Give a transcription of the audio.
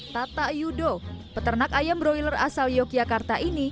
tata yudo peternak ayam broiler asal yogyakarta ini